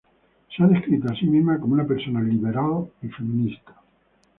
Se ha descrito a sí misma como una persona liberal y feminista.